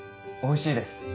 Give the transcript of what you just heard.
おいしいです。